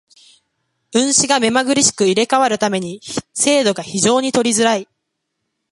運手が目まぐるしく入れ替わる為に精度が非常に取りづらい。